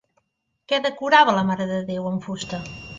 Què decorava la marededéu en fusta?